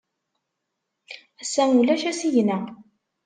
Ass-a, ulac asigna.